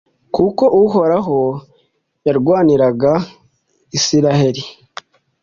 kuko uhoraho yarwaniriraga israheli